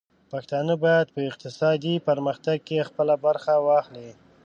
پښتانه بايد په اقتصادي پرمختګ کې خپله برخه واخلي.